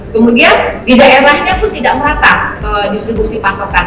kemudian di daerahnya pun tidak merata distribusi pasokan